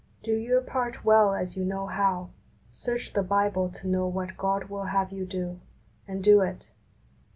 Do your part well as you know how. Search the Bible to know what God will have you do, and do it.